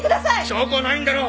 証拠はないんだろ！